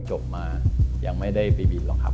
จบมายังไม่ได้ไปบินรังหาบ